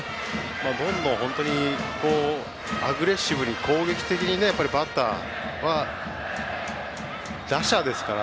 どんどん本当にアグレッシブに攻撃的にバッターは打者ですから。